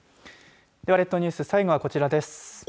では、列島ニュース最後はこちらです。